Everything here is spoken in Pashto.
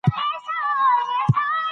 چا په هېواد کي د نظامي برخورد پیل وکړ؟